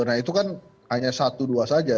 nah itu kan hanya satu dua saja